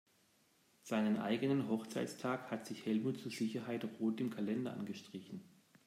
Seinen eigenen Hochzeitstag hat sich Helmut zur Sicherheit rot im Kalender angestrichen.